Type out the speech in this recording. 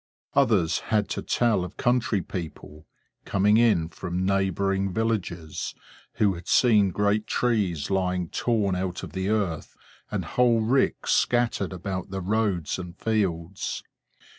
Others had to tell of country people, coming in from neighboring villages, who had seen great trees lying torn out of the earth, and whole ricks scattered about the roads and fields.